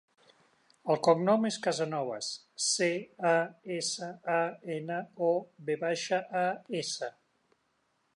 El cognom és Casanovas: ce, a, essa, a, ena, o, ve baixa, a, essa.